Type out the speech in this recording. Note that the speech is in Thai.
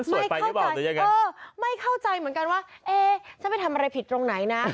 ไม่เข้าใจเออไม่เข้าใจเหมือนกันว่าเอ๊ะฉันไปทำอะไรผิดตรงไหนนะ